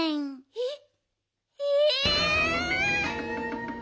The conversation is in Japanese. えっ！